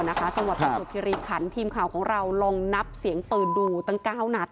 นะคะจังหวะประโยชน์พิริขันต์ทีมข่าวของเราลองนับเสียงตื่นดูตั้งเก้านัด